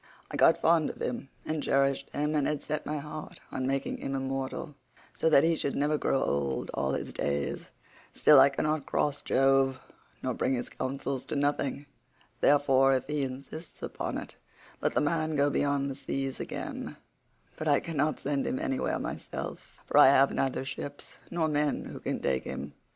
I got fond of him and cherished him, and had set my heart on making him immortal, so that he should never grow old all his days; still I cannot cross Jove, nor bring his counsels to nothing; therefore, if he insists upon it, let the man go beyond the seas again; but I cannot send him anywhere myself for I have neither ships nor men who can take him.